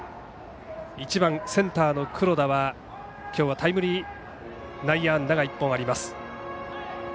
１番、センターの黒田は今日はタイムリー内野安打が１本あります。